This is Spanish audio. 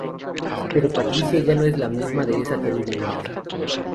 Pero Patricia ya no es la misma de esa terrible noche.